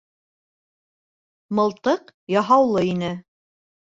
Мылтыҡ яһаулы ине.